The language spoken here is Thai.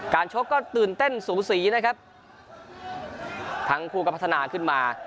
ชกก็ตื่นเต้นสูสีนะครับทั้งคู่ก็พัฒนาขึ้นมา